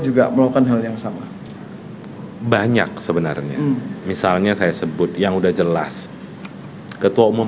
juga melakukan hal yang sama banyak sebenarnya misalnya saya sebut yang udah jelas ketua umum